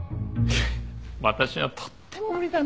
私にはとても無理だなぁ。